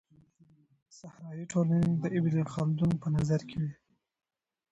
صحرايي ټولني د ابن خلدون په نظر کي وې.